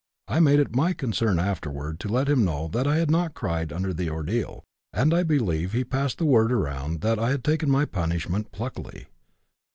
I made it my concern afterward to let him know that I had not cried under the ordeal, and I believe he passed the word around that I had taken my punishment pluckily.